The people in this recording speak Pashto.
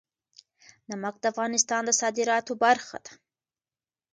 نمک د افغانستان د صادراتو برخه ده.